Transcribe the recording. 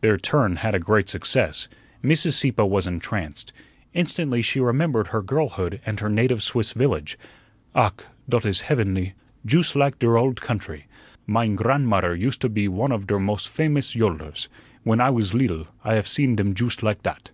Their "turn" had a great success. Mrs. Sieppe was entranced. Instantly she remembered her girlhood and her native Swiss village. "Ach, dot is heavunly; joost like der old country. Mein gran'mutter used to be one of der mos' famous yodlers. When I was leedle, I haf seen dem joost like dat."